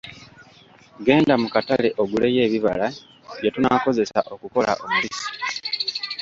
Genda mu katale oguleyo ebibala bye tunaakozesa okukola omubisi.